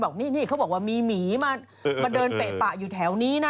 บอกว่ามีหมีมาเดินเปะป่ะอยู่แถวนี้นะ